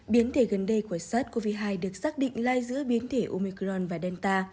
biến thể gần đây của sars cov hai được xác định là lai giữa biến thể omicron và delta